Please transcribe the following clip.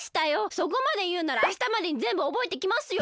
そこまでいうならあしたまでにぜんぶおぼえてきますよ。